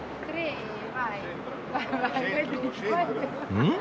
うん？